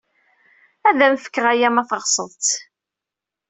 Ad am-fkeɣ aya ma teɣsed-t.